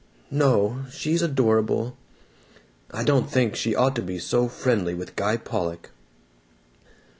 ... No, she's adorable. ... I don't think she ought to be so friendly with Guy Pollock."